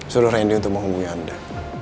seluruh randy untuk menghubungi anda